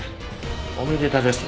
おめでたですね。